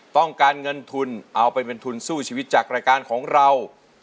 ต้องการเงินทุนเอาไปเป็นทุนสู้ชีวิตจากรายการของเรา